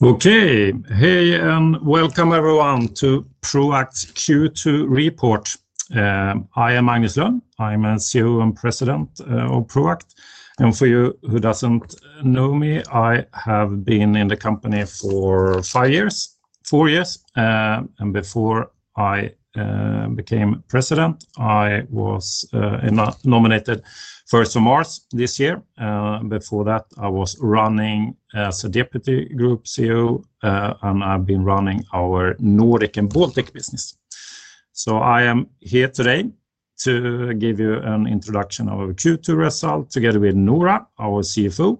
Okay, hey and welcome everyone to Proact Q2 report. I am Magnus Lönn. I'm a CEO and President of Proact. For you who doesn't know me, I have been in the company for five years, four years. Before I became President, I was nominated first for March this year. Before that, I was running as a Deputy Group CEO. I've been running our Nordic and Baltic business. I am here today to give you an introduction of our Q2 results together with Noora, our CFO.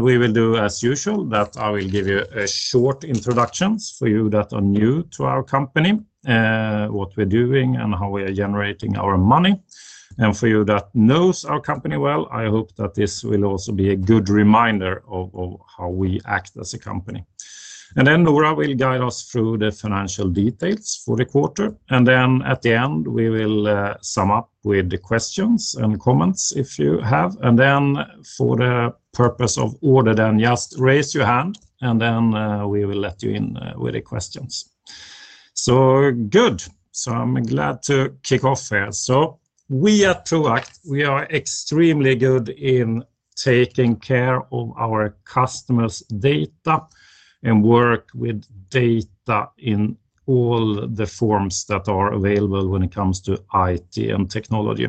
We will do as usual that I will give you a short introduction for you that are new to our company, what we're doing and how we are generating our money. For you that know our company well, I hope that this will also be a good reminder of how we act as a company. Noora will guide us through the financial details for the quarter. At the end, we will sum up with the questions and comments if you have. For the purpose of order, just raise your hand. We will let you in with the questions. Good. I'm glad to kick off here. We at Proact, we are extremely good in taking care of our customers' data and work with data in all the forms that are available when it comes to IT and technology.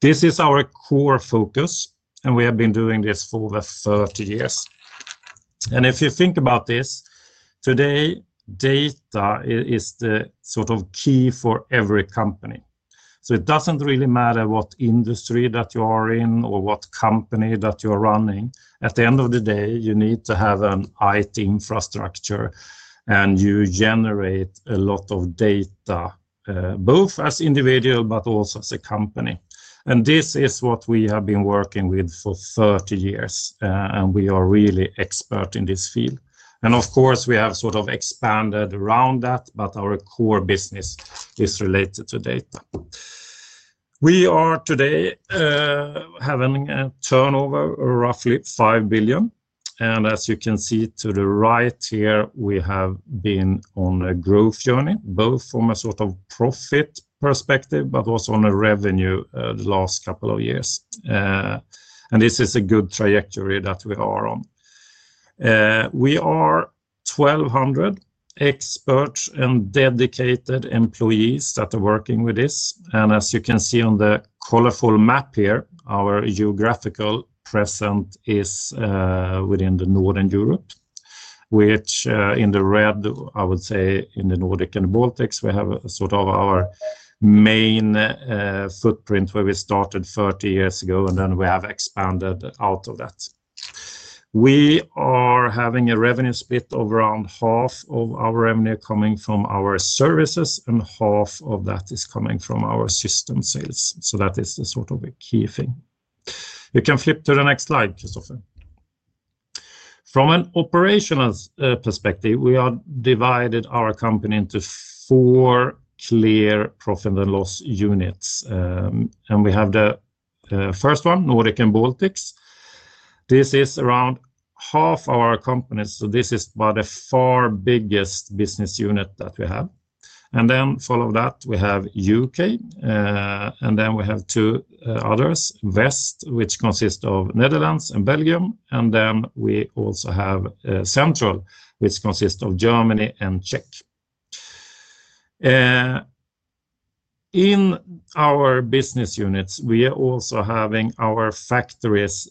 This is our core focus. We have been doing this for over 30 years. If you think about this, today, data is the sort of key for every company. It doesn't really matter what industry that you are in or what company that you're running. At the end of the day, you need to have an IT infrastructure. You generate a lot of data, both as an individual but also as a company. This is what we have been working with for 30 years. We are really expert in this field. Of course, we have sort of expanded around that. Our core business is related to data. We are today having a turnover of roughly 5 billion. As you can see to the right here, we have been on a growth journey, both from a sort of profit perspective but also on the revenue the last couple of years. This is a good trajectory that we are on. We are 1,200 experts and dedicated employees that are working with this. As you can see on the colorful map here, our geographical presence is within Northern Europe, which in the red, I would say in the Nordic & Baltics, we have sort of our main footprint where we started 30 years ago. We have expanded out of that. We are having a revenue split of around half of our revenue coming from our services. Half of that is coming from our system sales. That is the sort of a key thing. We can flip to the next slide, Christopher. From an operational perspective, we have divided our company into four clear profit and loss units. We have the first one, Nordic & Baltics. This is around half our company. This is by far the biggest business unit that we have. Following that, we have UK Then we have two others, West, which consists of Netherlands and Belgium, and Central, which consists of Germany and Czech Republic. In our business units, we are also having our factories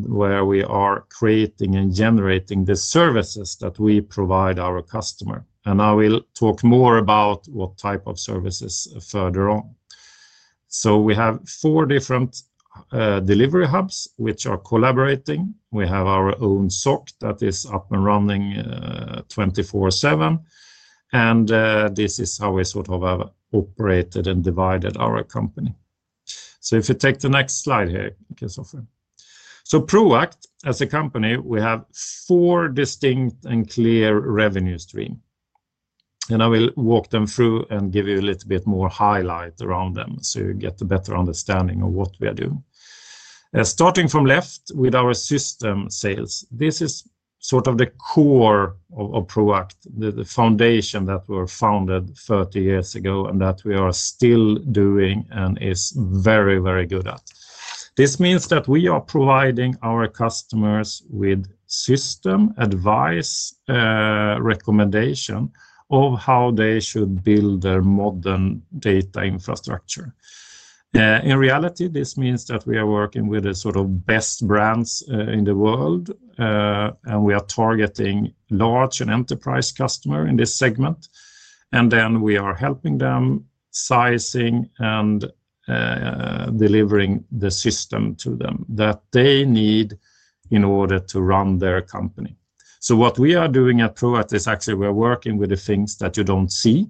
where we are creating and generating the services that we provide our customers. I will talk more about what type of services further on. We have four different delivery hubs, which are collaborating. We have our own SOC that is up and running 24/7. This is how we have operated and divided our company. If you take the next slide here, Christopher. Proact, as a company, has four distinct and clear revenue streams. I will walk them through and give you a little bit more highlights around them so you get a better understanding of what we are doing. Starting from the left with our system sales, this is the core of Proact, the foundation that was founded 30 years ago and that we are still doing and are very, very good at. This means that we are providing our customers with system advice, recommendation of how they should build their modern data infrastructure. In reality, this means that we are working with the best brands in the world. We are targeting large and enterprise customers in this segment. We are helping them sizing and delivering the system to them that they need in order to run their company. What we are doing at Proact is actually we're working with the things that you don't see,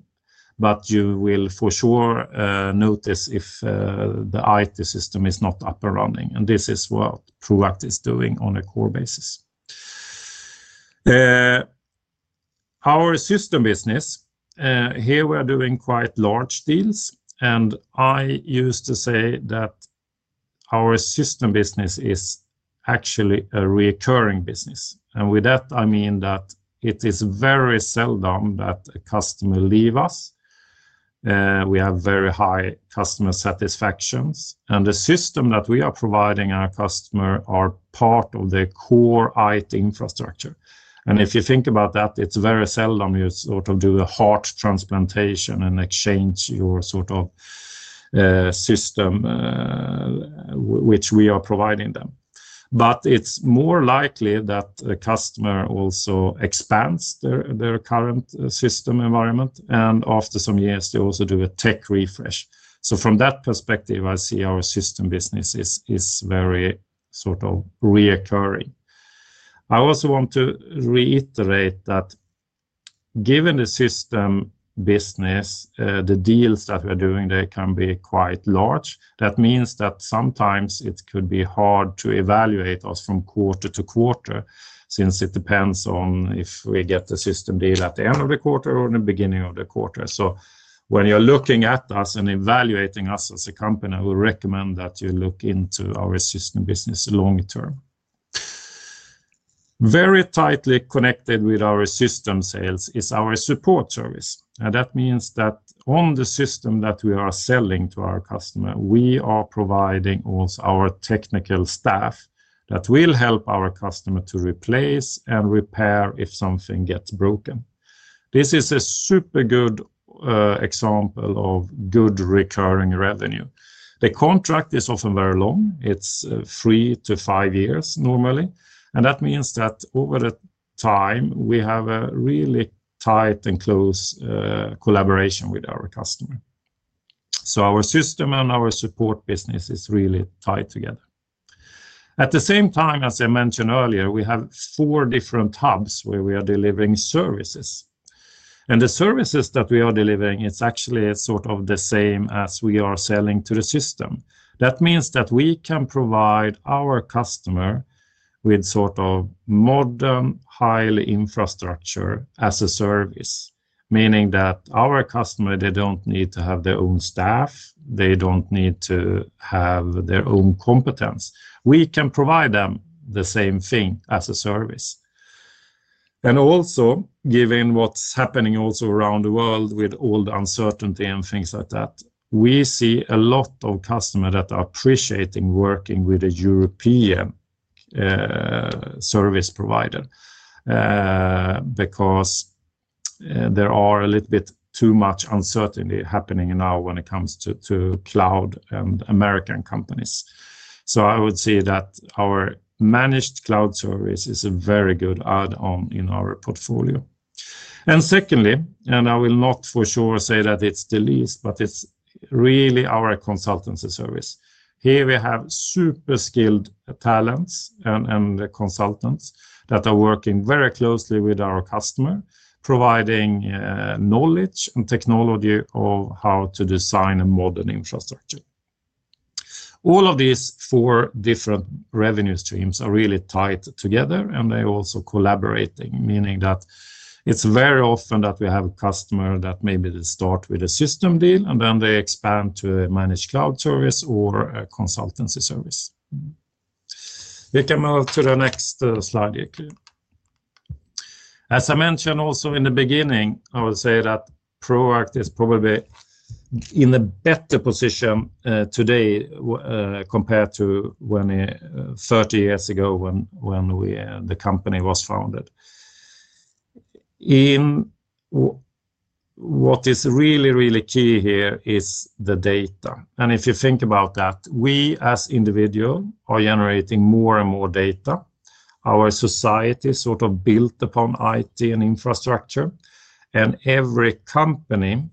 but you will for sure notice if the IT system is not up and running. This is what Proact is doing on a core basis. Our system business, here we are doing quite large deals. I used to say that our system business is actually a recurring business. With that, I mean that it is very seldom that a customer leaves us. We have very high customer satisfaction. The systems that we are providing our customers are part of the core IT infrastructure. If you think about that, it's very seldom you do a heart transplantation and exchange your system which we are providing them. It's more likely that a customer also expands their current system environment. After some years, they also do a tech refresh. From that perspective, I see our system business is very sort of recurring. I also want to reiterate that given the system business, the deals that we are doing can be quite large. That means that sometimes it could be hard to evaluate us from quarter to quarter since it depends on if we get the system deal at the end of the quarter or in the beginning of the quarter. When you're looking at us and evaluating us as a company, I would recommend that you look into our system business long term. Very tightly connected with our system sales is our support service. That means that on the system that we are selling to our customers, we are providing also our technical staff that will help our customers to replace and repair if something gets broken. This is a super good example of good recurring revenue. The contract is often very long. It's three to five years normally. That means that over the time, we have a really tight and close collaboration with our customers. Our system and our support business is really tied together. At the same time, as I mentioned earlier, we have four different hubs where we are delivering services. The services that we are delivering are actually sort of the same as we are selling to the system. That means that we can provide our customers with sort of modern, highly infrastructure as a service, meaning that our customers, they don't need to have their own staff. They don't need to have their own competence. We can provide them the same thing as a service. Also, given what's happening around the world with all the uncertainty and things like that, we see a lot of customers that are appreciating working with a European service provider because there is a little bit too much uncertainty happening now when it comes to cloud and American companies. I would say that our managed cloud service is a very good add-on in our portfolio. Secondly, and I will not for sure say that it's the least, but it's really our consultancy service. Here we have super skilled talents and consultants that are working very closely with our customers, providing knowledge and technology of how to design a modern infrastructure. All of these four different revenue streams are really tied together. They are also collaborating, meaning that it's very often that we have a customer that maybe they start with a system deal and then they expand to a managed cloud service or a consulting service. We can move to the next slide, if you... As I mentioned also in the beginning, I would say that Proact is probably in a better position today compared to 30 years ago when the company was founded. What is really, really key here is the data. If you think about that, we as individuals are generating more and more data. Our society is sort of built upon IT and infrastructure. Every company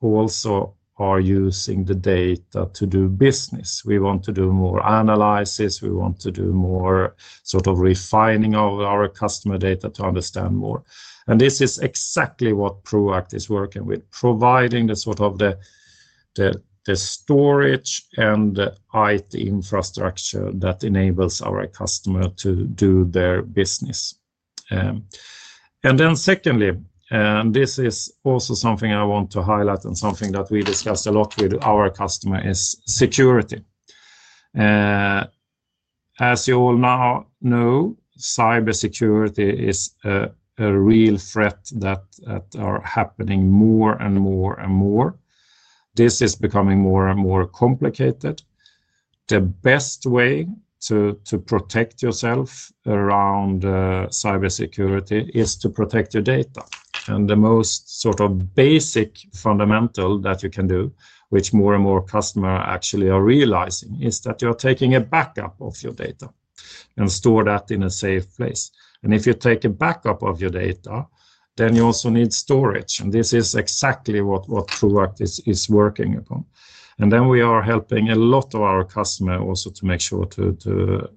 also is using the data to do business. We want to do more analysis. We want to do more sort of refining of our customer data to understand more. This is exactly what Proact is working with, providing the storage and the IT infrastructure that enables our customers to do their business. Secondly, and this is also something I want to highlight and something that we discuss a lot with our customers, is security. As you all now know, cybersecurity is a real threat that is happening more and more and more. This is becoming more and more complicated. The best way to protect yourself around cybersecurity is to protect your data. The most basic fundamental that you can do, which more and more customers actually are realizing, is that you're taking a backup of your data and storing that in a safe place. If you take a backup of your data, then you also need storage. This is exactly what Proact is working upon. We are helping a lot of our customers also to make sure to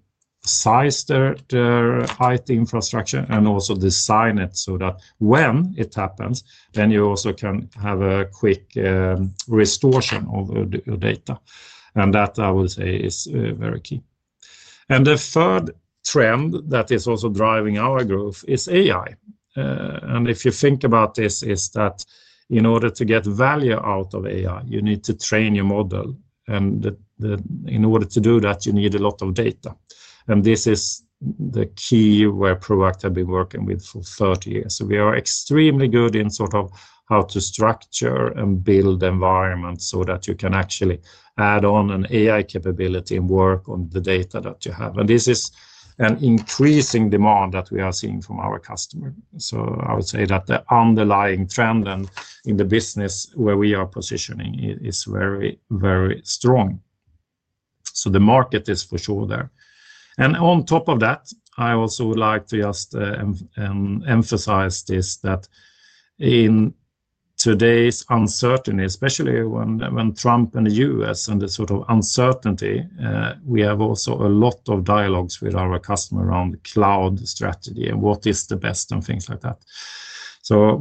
size their IT infrastructure and also design it so that when it happens, then you also can have a quick restoration of your data. That, I would say, is very key. The third trend that is also driving our growth is AI. If you think about this, in order to get value out of AI, you need to train your model. In order to do that, you need a lot of data. This is the key where Proact has been working with for 30 years. We are extremely good in how to structure and build environments so that you can actually add on an AI capability and work on the data that you have. This is an increasing demand that we are seeing from our customers. I would say that the underlying trend in the business where we are positioning is very, very strong. The market is for sure there. On top of that, I also would like to just emphasize this, that in today's uncertainty, especially when Trump and the U.S. and the sort of uncertainty, we have also a lot of dialogues with our customers around cloud strategy and what is the best and things like that.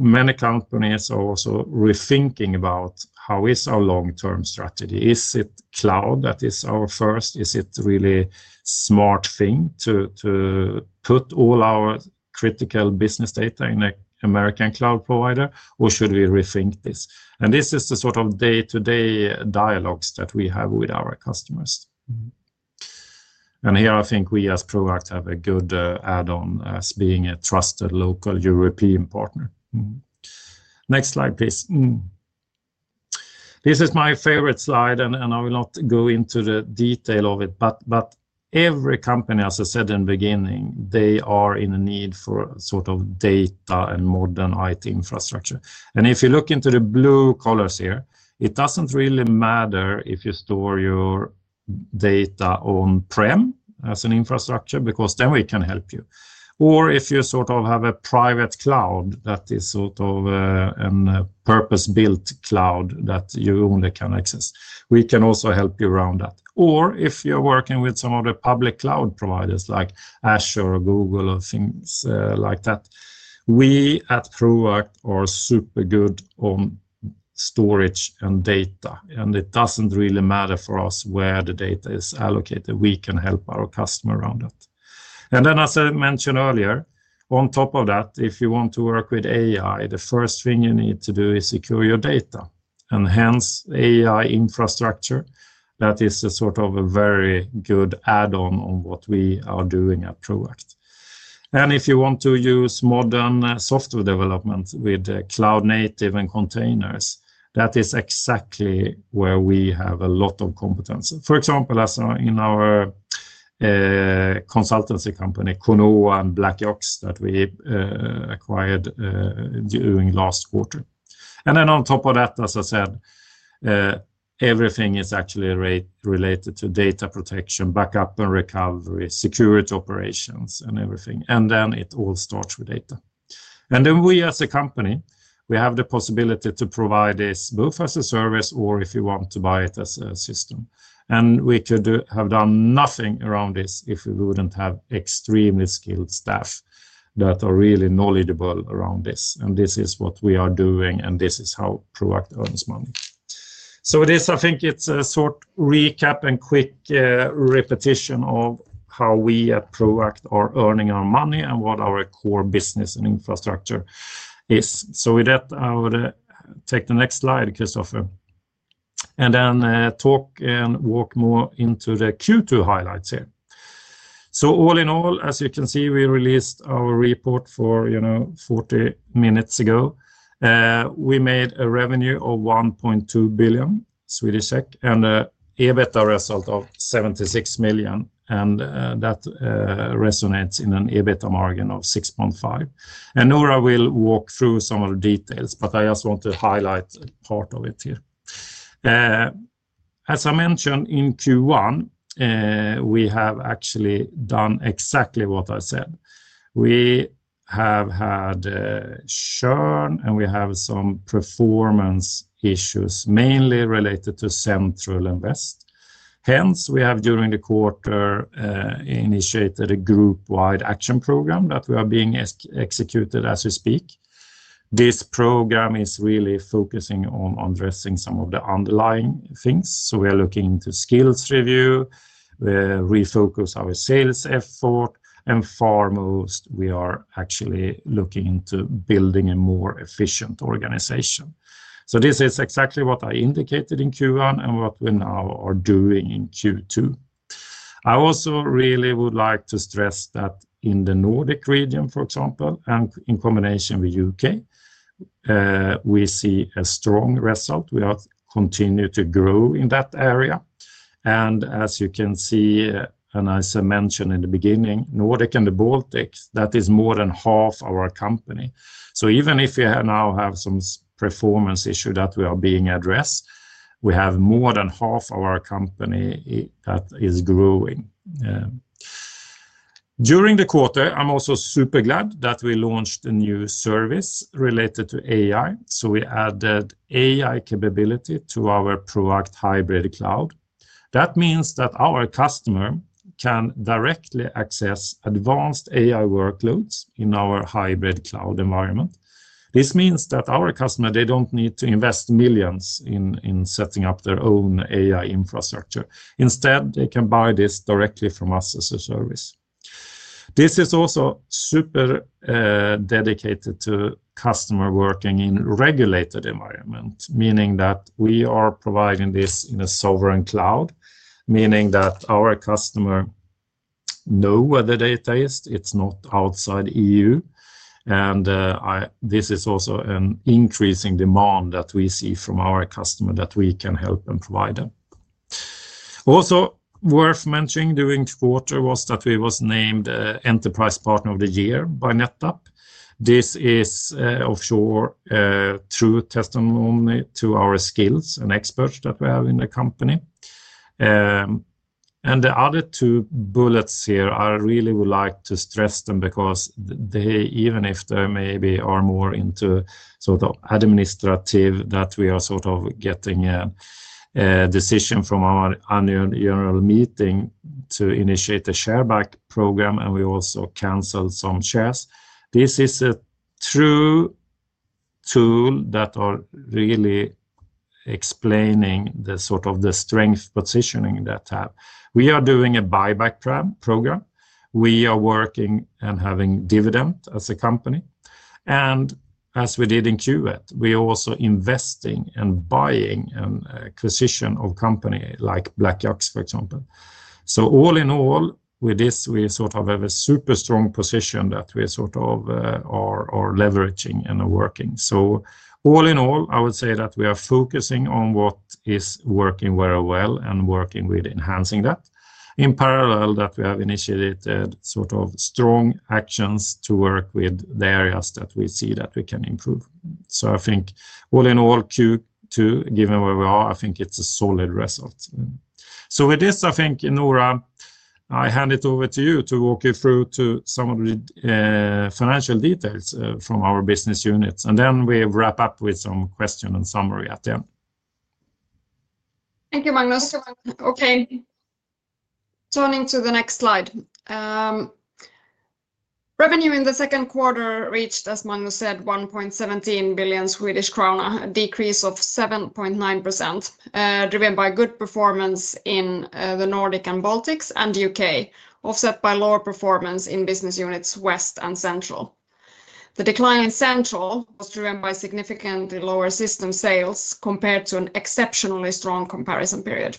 Many companies are also rethinking about how is our long-term strategy. Is it cloud that is our first? Is it really a smart thing to put all our critical business data in an American cloud provider? Should we rethink this? This is the sort of day-to-day dialogues that we have with our customers. Here, I think we as Proact have a good add-on as being a trusted local European partner. Next slide, please. This is my favorite slide. I will not go into the detail of it. Every company, as I said in the beginning, they are in a need for sort of data and modern IT infrastructure. If you look into the blue colors here, it doesn't really matter if you store your data on-prem as an infrastructure because then we can help you. If you sort of have a private cloud that is sort of a purpose-built cloud that you only can access, we can also help you around that. If you're working with some of the public cloud providers like Azure or Google or things like that, we at Proact are super good on storage and data. It doesn't really matter for us where the data is allocated. We can help our customers around that. As I mentioned earlier, on top of that, if you want to work with AI, the first thing you need to do is secure your data. Hence, AI infrastructure, that is a sort of a very good add-on on what we are doing at Proact. If you want to use modern software development with cloud-native and containers, that is exactly where we have a lot of competence. For example, in our consultancy company, BlakYaks, that we acquired during the last quarter. On top of that, as I said, everything is actually related to data protection, backup & recovery, security operations, and everything. It all starts with data. We, as a company, have the possibility to provide this both as a service or if you want to buy it as a system. We could have done nothing around this if we wouldn't have extremely skilled staff that are really knowledgeable around this. This is what we are doing. This is how Proact earns money. With this, I think it's a short recap and quick repetition of how we at Proact are earning our money and what our core business and infrastructure is. With that, I would take the next slide, Christopher, and then talk and walk more into the Q2 highlights here. All in all, as you can see, we released our report 40 minutes ago. We made a revenue of 1.2 billion Swedish SEK and an EBITDA result of 76 million. That resonates in an EBITDA margin of 6.5%. Noora will walk through some of the details, but I just want to highlight part of it here. As I mentioned in Q1, we have actually done exactly what I said. We have had churn, and we have some performance issues, mainly related to Central and West. Hence, we have during the quarter initiated a group-wide action program that we are executing as we speak. This program is really focusing on addressing some of the underlying things. We are looking into skills review, we refocus our sales effort, and foremost, we are actually looking into building a more efficient organization. This is exactly what I indicated in Q1 and what we now are doing in Q2. I also really would like to stress that in the Nordic region, for example, and in combination with UK, we see a strong result. We continue to grow in that area. As you can see, and as I mentioned in the beginning, Nordic & Baltics, that is more than half our company. Even if you now have some performance issues that are being addressed, we have more than half our company that is growing. During the quarter, I'm also super glad that we launched a new service related to AI. We added AI capability to our Proact hybrid cloud. That means that our customers can directly access advanced AI workloads in our hybrid cloud environment. This means that our customers, they don't need to invest millions in setting up their own AI infrastructure. Instead, they can buy this directly from us as a service. This is also super dedicated to customers working in a regulated environment, meaning that we are providing this in a sovereign cloud, meaning that our customers know where the data is. It's not outside the EU. This is also an increasing demand that we see from our customers that we can help and provide them. Also, worth mentioning during the quarter was that we were named Enterprise Partner of the Year by NetApp. This is for sure a true testament to our skills and experts that we have in the company. The other two bullets here, I really would like to stress them because they, even if they maybe are more into sort of administrative, that we are sort of getting a decision from our annual general meeting to initiate a share buyback program. We also canceled some shares. This is a true tool that is really explaining the sort of strength positioning that we have. We are doing a buyback program. We are working and having dividends as a company. As we did in Q2, we are also investing and buying and acquiring companies like BlakYaks, for example. All in all, with this, we sort of have a super strong position that we are sort of leveraging and working. All in all, I would say that we are focusing on what is working very well and working with enhancing that. In parallel, we have initiated sort of strong actions to work with the areas that we see that we can improve. I think all in all, Q2, given where we are, I think it's a solid result. With this, I think, Noora, I hand it over to you to walk you through some of the financial details from our business units. Then we wrap up with some questions and summary at the end. Thank you, Magnus. Okay. Turning to the next slide. Revenue in the second quarter reached, as Magnus said, 1.17 billion Swedish krona, a decrease of 7.9%, driven by good performance in the Nordic & Baltics and UK, offset by lower performance in business units West and Central. The decline in Central was driven by significantly lower system sales compared to an exceptionally strong comparison period.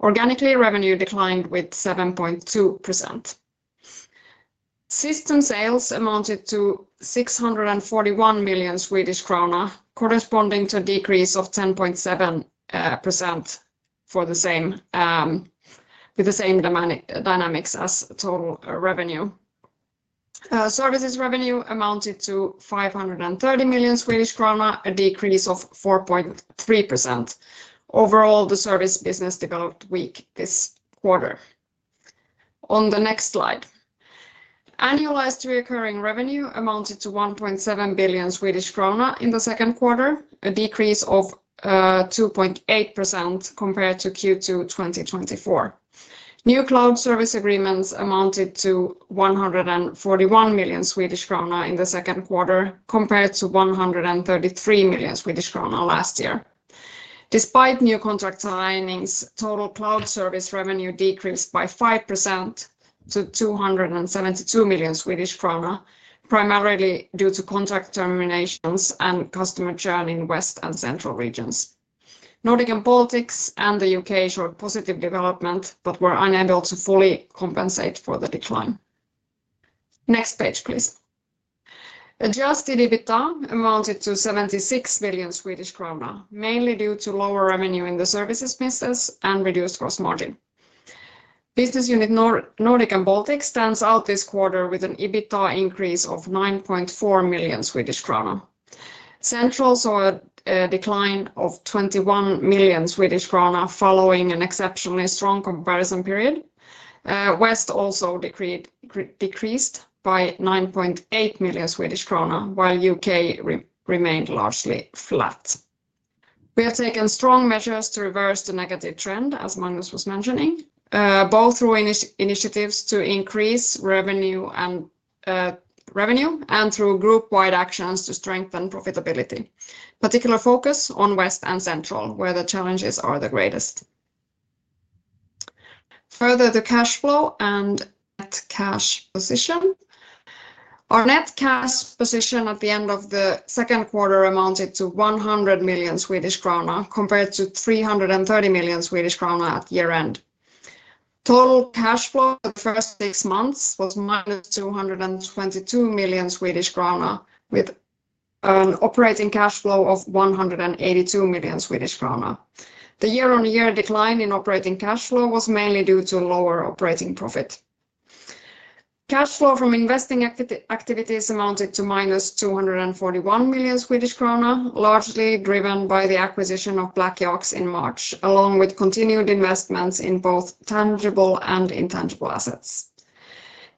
Organically, revenue declined with 7.2%. System sales amounted to 641 million Swedish krona, corresponding to a decrease of 10.7% for the same dynamics as total revenue. Services revenue amounted to 530 million Swedish krona, a decrease of 4.3%. Overall, the service business developed weak this quarter. On the next slide, annualized recurring revenue amounted to 1.7 billion Swedish krona in the second quarter, a decrease of 2.8% compared to Q2 2024. New cloud service agreements amounted to 141 million Swedish krona in the second quarter compared to 133 million Swedish krona last year. Despite new contract signings, total cloud service revenue decreased by 5% to 272 million Swedish krona, primarily due to contract terminations and customer churn in West and Central regions. Nordic & Baltics and the UK showed positive development but were unable to fully compensate for the decline. Next page, please. Adjusted EBITDA amounted to 76 million Swedish krona, mainly due to lower revenue in the services business and reduced gross margin. Business unit Nordic & Baltics stands out this quarter with an EBITDA increase of 9.4 million Swedish krona. Central saw a decline of 21 million Swedish krona following an exceptionally strong comparison period. West also decreased by 9.8 million Swedish krona, while UK remained largely flat. We have taken strong measures to reverse the negative trend, as Magnus was mentioning, both through initiatives to increase revenue and through group-wide actions to strengthen profitability, particularly focusing on West and Central, where the challenges are the greatest. Further, the cash flow and net cash position. Our net cash position at the end of the second quarter amounted to 100 million Swedish krona compared to 330 million Swedish krona at year end. Total cash flow the first six months was 222 million Swedish krona, with an operating cash flow of 182 million Swedish krona. The year-on-year decline in operating cash flow was mainly due to lower operating profit. Cash flow from investing activities amounted to -241 million Swedish krona, largely driven by the acquisition of BlakYaks in March, along with continued investments in both tangible and intangible assets.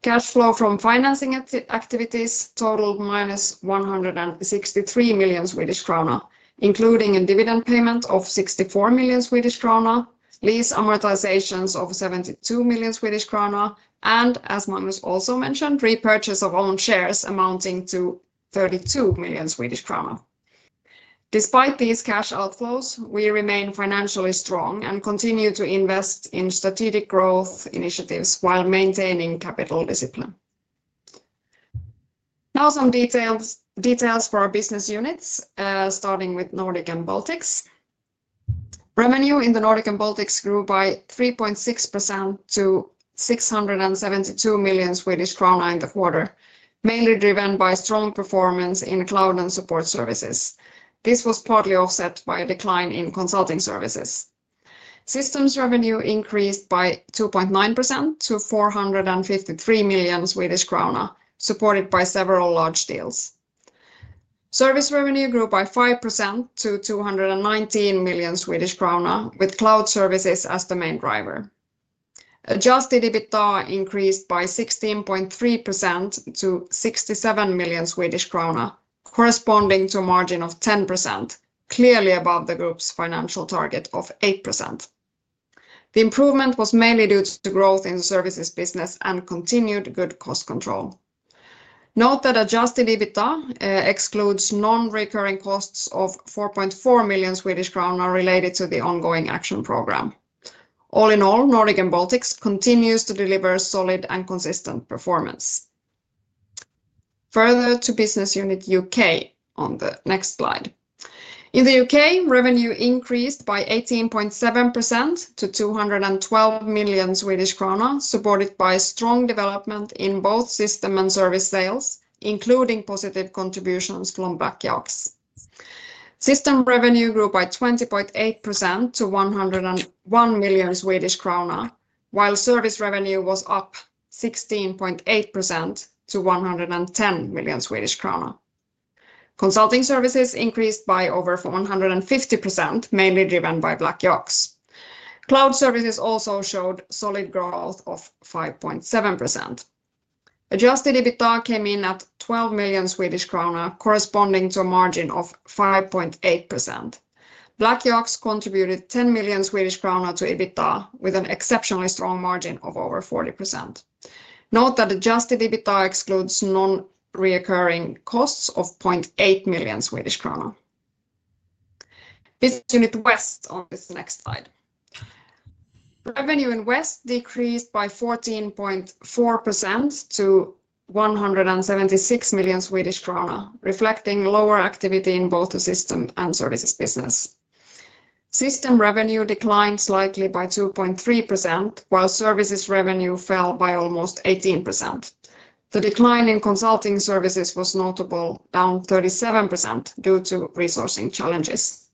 Cash flow from financing activities totaled -163 million Swedish krona, including a dividend payment of 64 million Swedish krona, lease amortizations of 72 million Swedish krona, and as Magnus also mentioned, repurchase of owned shares amounting to 32 million Swedish krona. Despite these cash outflows, we remain financially strong and continue to invest in strategic growth initiatives while maintaining capital discipline. Now some details for our business units, starting with Nordic and Baltics. Revenue in the Nordic & Baltics grew by 3.6% to 672 million Swedish kronor in the quarter, mainly driven by strong performance in cloud and support services. This was partly offset by a decline in consulting services. Systems revenue increased by 2.9% to 453 million Swedish krona, supported by several large deals. Service revenue grew by 5% to 219 million Swedish krona, with cloud services as the main driver. Adjusted EBITDA increased by 16.3% to 67 million Swedish krona, corresponding to a margin of 10%, clearly above the group's financial target of 8%. The improvement was mainly due to the growth in the services business and continued good cost control. Note that adjusted EBITDA excludes non-recurring costs of 4.4 million Swedish crown related to the ongoing action program. All in all, Nordic & Baltics continue to deliver solid and consistent performance. Further to business unit UK on the next slide. In the UK, revenue increased by 18.7% to 212 million Swedish krona, supported by strong development in both system and service sales, including positive contributions from BlakYaks. System revenue grew by 20.8% to 101 million Swedish krona, while service revenue was up 16.8% to 110 million Swedish krona. Consulting services increased by over 150%, mainly driven by BlakYaks. Cloud services also showed solid growth of 5.7%. Adjusted EBITDA came in at 12 million Swedish krona, corresponding to a margin of 5.8%. BlakYaks contributed 10 million Swedish krona to EBITDA with an exceptionally strong margin of over 40%. Note that adjusted EBITDA excludes non-recurring costs of 0.8 million Swedish kronor. Business unit West on this next slide. Revenue in West decreased by 14.4% to 176 million Swedish krona, reflecting lower activity in both the system and services business. System revenue declined slightly by 2.3%, while services revenue fell by almost 18%. The decline in consulting services was notable, down 37% due to resourcing challenges.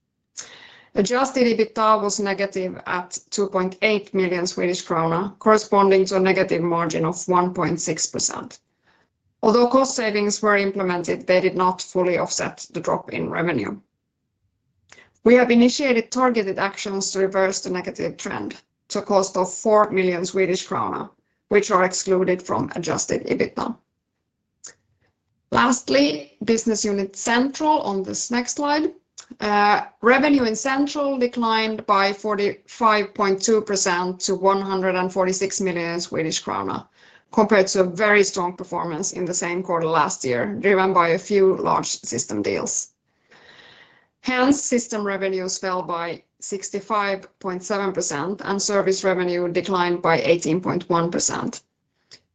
Adjusted EBITDA was negative at 2.8 million Swedish kronor, corresponding to a negative margin of 1.6%. Although cost savings were implemented, they did not fully offset the drop in revenue. We have initiated targeted actions to reverse the negative trend at a cost of 4 million Swedish krona, which are excluded from adjusted EBITDA. Lastly, business unit Central on this next slide. Revenue in Central declined by 45.2% to 146 million Swedish krona, compared to a very strong performance in the same quarter last year, driven by a few large system deals. Hence, system revenues fell by 65.7% and service revenue declined by 18.1%.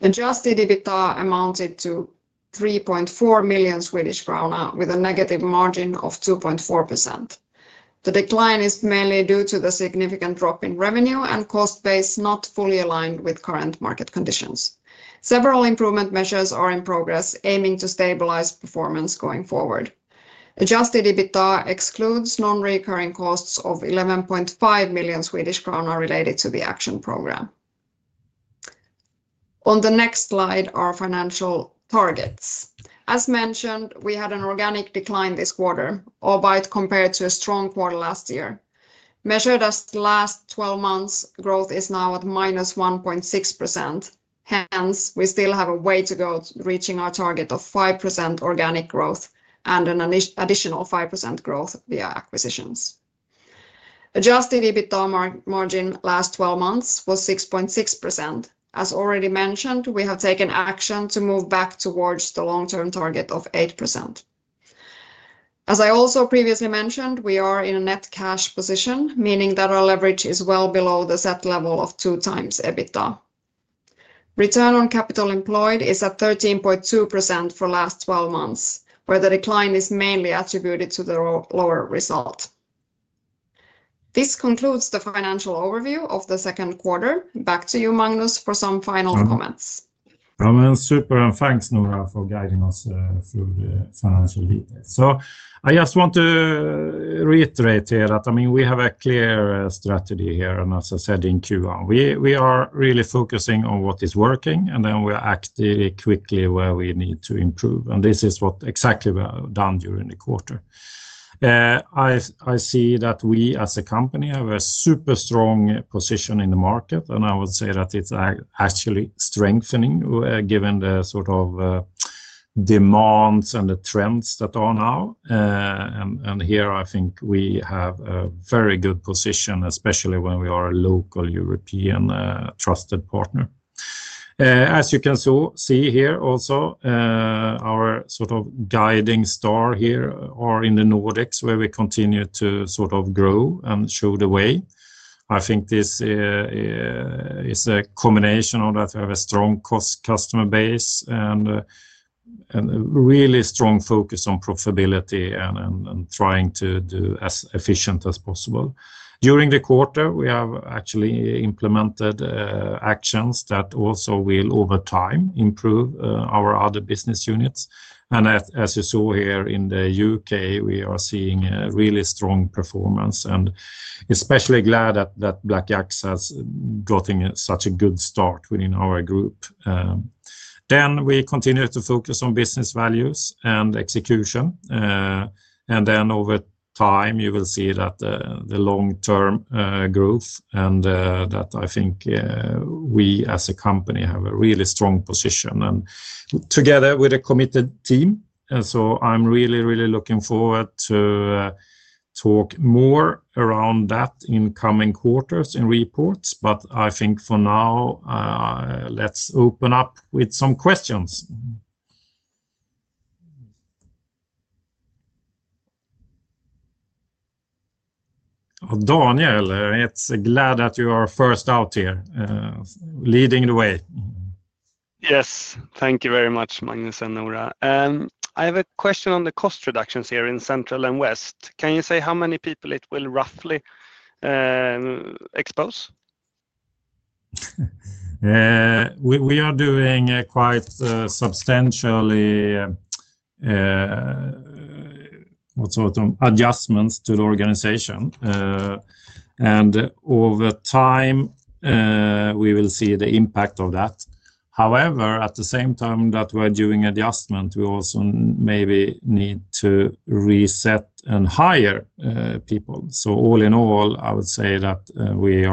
Adjusted EBITDA amounted to 3.4 million Swedish krona with a negative margin of 2.4%. The decline is mainly due to the significant drop in revenue and cost base not fully aligned with current market conditions. Several improvement measures are in progress, aiming to stabilize performance going forward. Adjusted EBITDA excludes non-recurring costs of 11.5 million Swedish kronor related to the action program. On the next slide, our financial targets. As mentioned, we had an organic decline this quarter, albeit compared to a strong quarter last year. Measured as the last 12 months, growth is now at -1.6%. Hence, we still have a way to go to reaching our target of 5% organic growth and an additional 5% growth via acquisitions. Adjusted EBITDA margin last 12 months was 6.6%. As already mentioned, we have taken action to move back towards the long-term target of 8%. As I also previously mentioned, we are in a net cash position, meaning that our leverage is well below the set level of two times EBITDA. Return on capital employed is at 13.2% for the last 12 months, where the decline is mainly attributed to the lower result. This concludes the financial overview of the second quarter. Back to you, Magnus, for some final comments. Super, and thanks, Noora, for guiding us through the financial details. I just want to reiterate here that we have a clear strategy here. As I said in Q1, we are really focusing on what is working. We are actively and quickly where we need to improve. This is exactly what we have done during the quarter. I see that we, as a company, have a super strong position in the market. I would say that it's actually strengthening, given the sort of demands and the trends that are now. I think we have a very good position, especially when we are a local European trusted partner. As you can see here also, our sort of guiding star here is in the Nordics, where we continue to grow and show the way. I think this is a combination of that. We have a strong customer base and a really strong focus on profitability and trying to do as efficiently as possible. During the quarter, we have actually implemented actions that also will, over time, improve our other business units. As you saw here in the UK, we are seeing really strong performance. I am especially glad that BlakYaks has gotten such a good start within our group. We continue to focus on business values and execution. Over time, you will see the long-term growth, and I think we, as a company, have a really strong position together with a committed team. I'm really, really looking forward to talk more around that in coming quarters in reports. For now, let's open up with some questions. Daniel, it's glad that you are first out here, leading the way. Yes, thank you very much, Magnus and Noora. I have a question on the cost reductions here in Central and West. Can you say how many people it will roughly expose? We are doing quite substantial adjustments to the organization, and over time, we will see the impact of that. However, at the same time that we're doing adjustments, we also maybe need to reset and hire people. All in all, I would say that we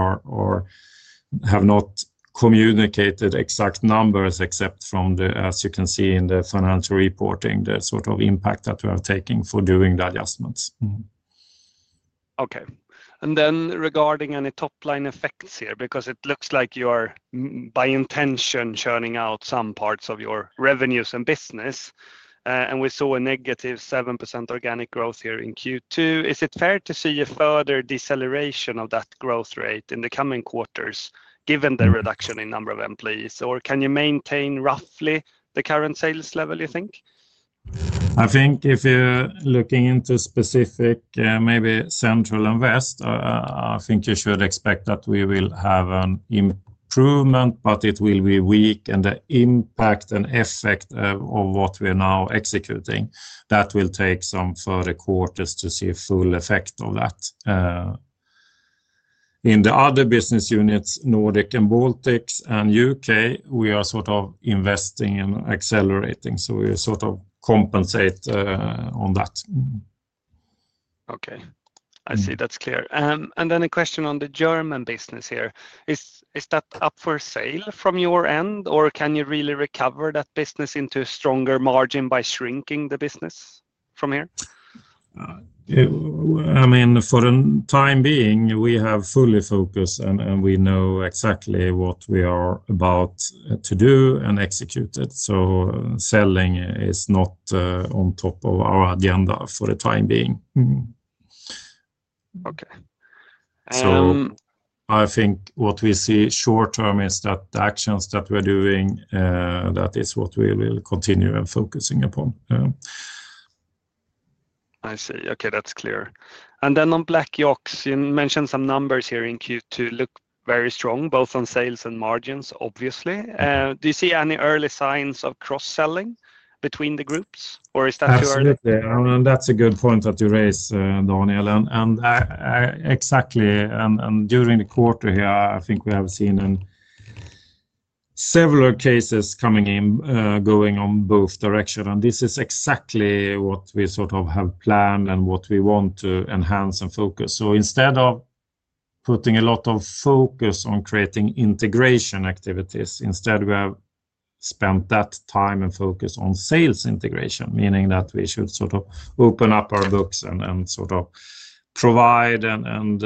have not communicated exact numbers except from the, as you can see in the financial reporting, the sort of impact that we are taking for doing the adjustments. Okay. Regarding any top line effects here, it looks like you are, by intention, churning out some parts of your revenues and business. We saw a -7% organic growth here in Q2. Is it fair to see a further deceleration of that growth rate in the coming quarters, given the reduction in number of employees? Can you maintain roughly the current sales level, you think? I think if you're looking into specific, maybe Central and West, I think you should expect that we will have an improvement, but it will be weak. The impact and effect of what we are now executing, that will take some further quarters to see full effect of that. In the other business units, Nordic & Baltics and UK, we are sort of investing and accelerating. We sort of compensate on that. Okay. I see. That's clear. A question on the German business here. Is that up for sale from your end? Can you really recover that business into a stronger margin by shrinking the business from here? For the time being, we have fully focused, and we know exactly what we are about to do and execute it. Selling is not on top of our agenda for the time being. Okay. I think what we see short term is that the actions that we're doing, that is what we will continue focusing upon. I see. Okay, that's clear. On BlakYaks, you mentioned some numbers here in Q2 look very strong, both on sales and margins, obviously. Do you see any early signs of cross-selling between the groups, or is that too early? Absolutely. That's a good point that you raised, Daniel. Exactly. During the quarter here, I think we have seen several cases coming in, going on both directions. This is exactly what we have planned and what we want to enhance and focus on. Instead of putting a lot of focus on creating integration activities, we have spent that time and focus on sales integration, meaning that we should open up our books and provide and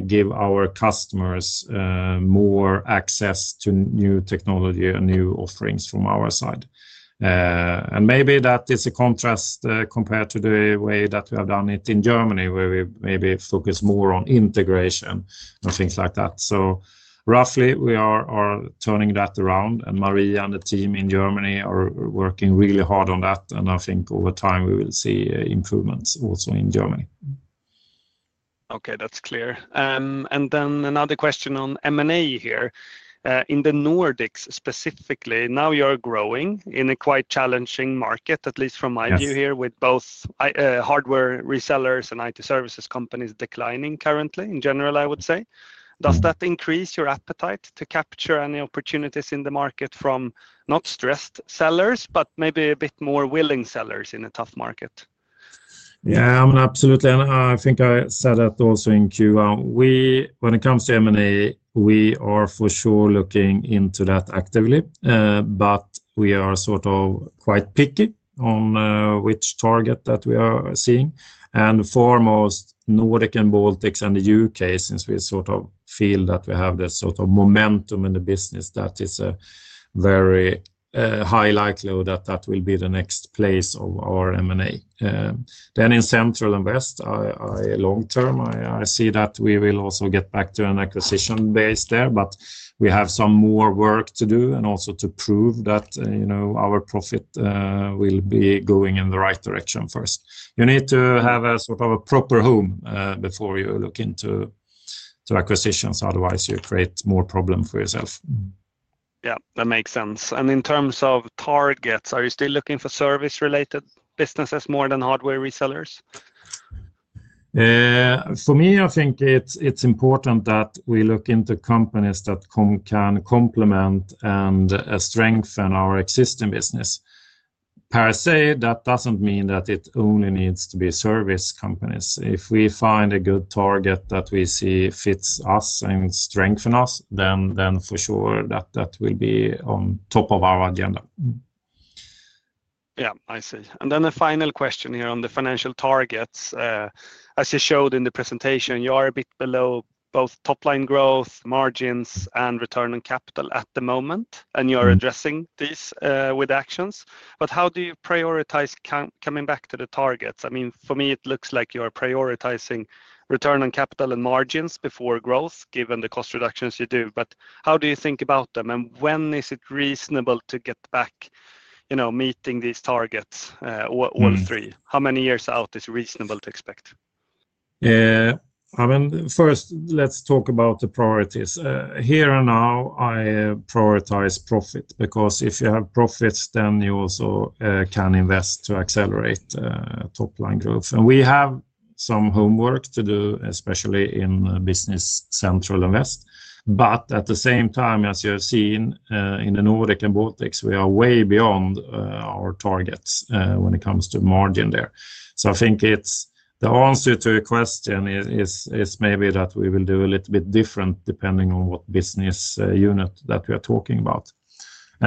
give our customers more access to new technology and new offerings from our side. Maybe that is a contrast compared to the way that we have done it in Germany, where we maybe focus more on integration and things like that. Roughly, we are turning that around. Marie and the team in Germany are working really hard on that. I think over time, we will see improvements also in Germany. Okay, that's clear. Another question on M&A here. In the Nordics specifically, now you are growing in a quite challenging market, at least from my view here, with both hardware resellers and IT services companies declining currently, in general, I would say. Does that increase your appetite to capture any opportunities in the market from not stressed sellers, but maybe a bit more willing sellers in a tough market? Yeah, I mean, absolutely. I think I said that also in Q1. When it comes to M&A, we are for sure looking into that actively. We are sort of quite picky on which target that we are seeing. Foremost, Nordic & Baltics and the UK, since we sort of feel that we have this sort of momentum in the business, that is a very high likelihood that that will be the next place of our M&A. In Central and West, long term, I see that we will also get back to an acquisition base there. We have some more work to do and also to prove that our profit will be going in the right direction first. You need to have a sort of a proper home before you look into acquisitions. Otherwise, you create more problems for yourself. Yeah, that makes sense. In terms of targets, are you still looking for service-related businesses more than hardware resellers? For me, I think it's important that we look into companies that can complement and strengthen our existing business. Per se, that doesn't mean that it only needs to be service companies. If we find a good target that we see fits us and strengthens us, then for sure that will be on top of our agenda. Yeah, I see. The final question here on the financial targets. As you showed in the presentation, you are a bit below both top line growth, margins, and return on capital at the moment. You are addressing this with actions. How do you prioritize coming back to the targets? I mean, for me, it looks like you are prioritizing return on capital and margins before growth, given the cost reductions you do. How do you think about them? When is it reasonable to get back meeting these targets, all three? How many years out is it reasonable to expect? First, let's talk about the priorities. Here and now, I prioritize profit because if you have profits, then you also can invest to accelerate top line growth. We have some homework to do, especially in business Central and West. At the same time, as you have seen in the Nordic & Baltics, we are way beyond our targets when it comes to margin there. I think the answer to your question is maybe that we will do a little bit different depending on what business unit that we are talking about.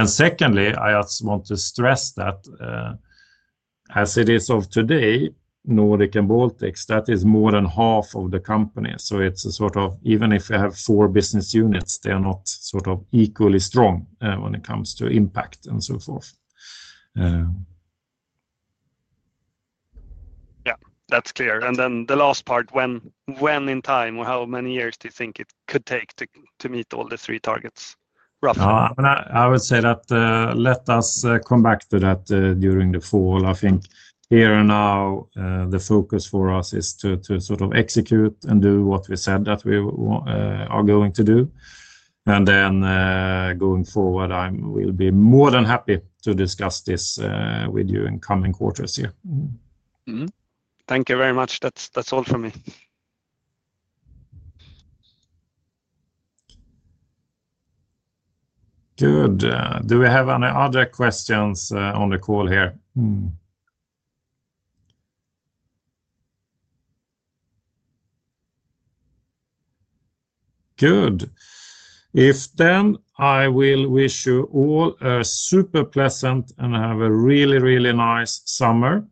Secondly, I just want to stress that as it is of today, Nordic & Baltics, that is more than half of the company. Even if you have four business units, they are not equally strong when it comes to impact and so forth. That's clear. The last part, when in time or how many years do you think it could take to meet all the three targets? I would say that let us come back to that during the fall. I think here and now, the focus for us is to sort of execute and do what we said that we are going to do. Going forward, I will be more than happy to discuss this with you in coming quarters here. Thank you very much. That's all from me. Good. Do we have any other questions on the call here? Good. If then, I will wish you all a super pleasant and have a really, really nice summer.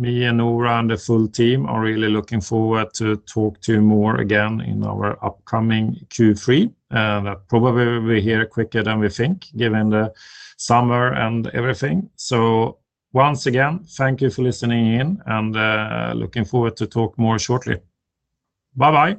Me, Noora, and the full team are really looking forward to talk to you more again in our upcoming Q3. That probably will be here quicker than we think, given the summer and everything. Once again, thank you for listening in. Looking forward to talk more shortly. Bye-bye.